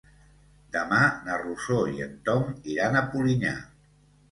Demà na Rosó i en Tom iran a Polinyà.